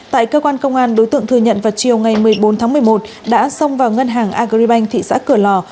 tại cơ quan công an đối tượng thừa nhận vào chiều ngày một mươi bốn tháng một mươi một đã xông vào ngân hàng agribank thị xã cửa lò